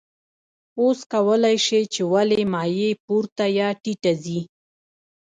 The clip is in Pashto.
اوس کولی شئ چې ولې مایع پورته یا ټیټه ځي.